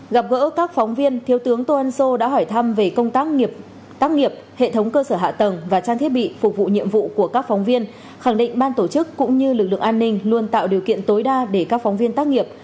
gặp gỡ các phóng viên thiếu tướng tô ân sô đã hỏi thăm về công tác tác nghiệp hệ thống cơ sở hạ tầng và trang thiết bị phục vụ nhiệm vụ của các phóng viên khẳng định ban tổ chức cũng như lực lượng an ninh luôn tạo điều kiện tối đa để các phóng viên tác nghiệp